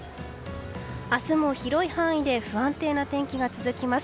明日も広い範囲で不安定な天気が続きます。